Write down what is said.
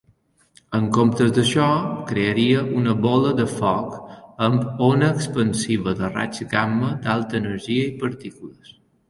En comptes d'això, crearia una bola de foc amb ona expansiva de raigs gamma d'alta energia i partícules.